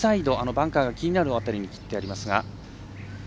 バンカーが気になる辺りに切ってありますが。